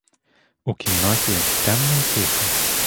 У кімнаті темно й тихо.